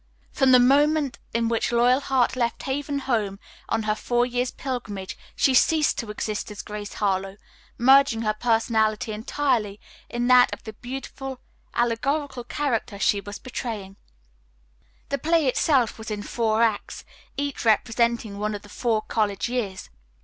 From the moment in which Loyalheart left Haven Home on her Four Years' Pilgrimage she ceased to exist as Grace Harlowe, merging her personality entirely in that of the beautiful allegorical character she was portraying. The play itself was in four acts, each representing one of the four college years.